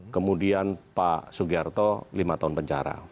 kemudian pak sugiarto lima tahun penjara